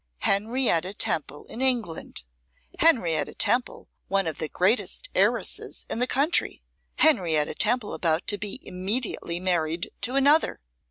Henrietta Temple in England! Henrietta Temple one of the greatest heiresses in the country! Henrietta Temple about to be immediately married to another!